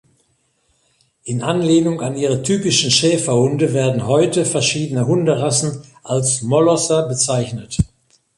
In Anlehnung an ihre typischen Schäferhunde werden heute verschiedene Hunderassen als "Molosser" bezeichnet.